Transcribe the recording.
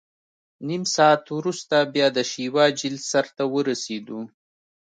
نیم ساعت وروسته بیا د شیوا جهیل سر ته ورسېدو.